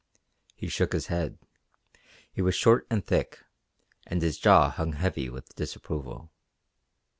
He shook his head. He was short and thick, and his jaw hung heavy with disapproval.